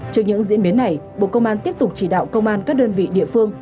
trước những diễn biến này bộ công an tiếp tục chỉ đạo công an các đơn vị địa phương